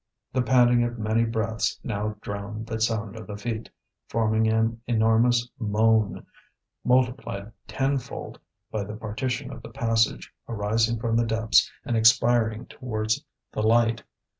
The panting of many breaths now drowned the sound of the feet, forming an enormous moan, multiplied tenfold by the partition of the passage, arising from the depths and expiring towards the light.